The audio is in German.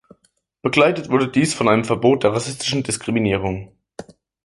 Begleitet wurde dies von einem Verbot der rassistischen Diskriminierung.